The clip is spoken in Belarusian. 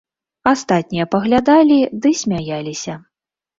Астатнія паглядалі ды смяяліся.